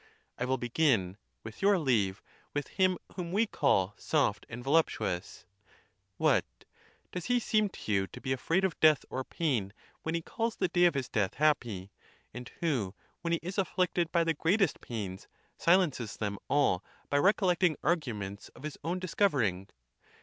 I will begin, with your leave, with him whom we call soft and voluptuous. What! 196 THE TUSCULAN DISPUTATIONS. does he seem to you to be afraid of death or pain when he calls the day of his death happy; and who, when he is afflicted by the greatest pains, silences them all by recol lecting arguments of his own discovering?